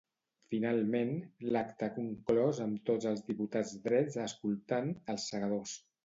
Finalment, l'acte ha conclòs amb tots els diputats drets escoltant "Els Segadors".